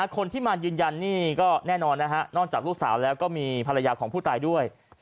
คนที่มายืนยันนี่ก็แน่นอนนะฮะนอกจากลูกสาวแล้วก็มีภรรยาของผู้ตายด้วย